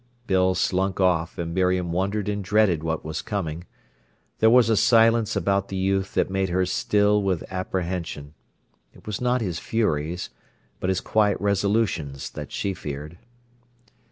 Bill slunk off, and Miriam wondered and dreaded what was coming. There was a silence about the youth that made her still with apprehension. It was not his furies, but his quiet resolutions that she feared.